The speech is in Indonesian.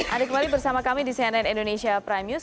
ada kembali bersama kami di cnn indonesia prime news